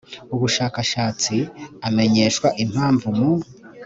ubushakashatsi amenyeshwa impamvu mu